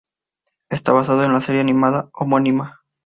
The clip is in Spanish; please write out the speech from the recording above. Está basado en la serie animada homónima.